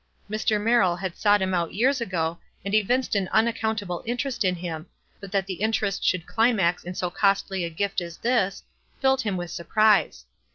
Mr. Merrill had sought him out 3'cars ago, and evinced an unaccounta ble interest in him — but that the interest should climax in so costly a gift as this, filled him with surprise.